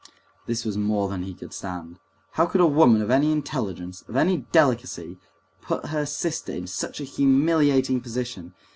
This was more than he could stand. How could a woman of any intelligence, of any delicacy, put her sister in such a humiliating position!